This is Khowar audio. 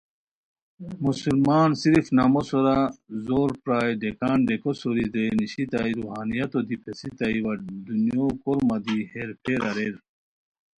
مسلمان صرف نامو سورا زور پرائے ڈیکان ڈیکو سوری درے نیشیتائے روحانیتو دی پیڅھیتائے وا دنیوکورمہ دی ہیر پھیر اریر